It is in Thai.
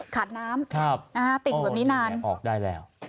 ขาดน้ำครับอ่าติ่งแบบนี้นานออกได้แล้ว